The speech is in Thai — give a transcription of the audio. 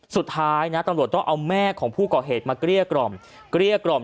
สุดท้ายตำรวจก็เอาแม่ของผู้ก่อเหตุมาเกลี้ยกรอบ